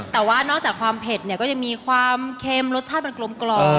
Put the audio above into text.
แต่ว่านอกจากความเผ็ดเนี่ยก็จะมีความเค็มรสชาติมันกลม